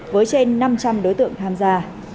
với trên năm trăm linh đối tượng tham gia